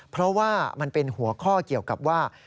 เพราะว่ามันเป็นหัวข้อเกี่ยวกับว่า